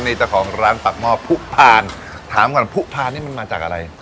นี่เจ้าของร้านปากหม้อผู้พานถามก่อนผู้พานนี่มันมาจากอะไร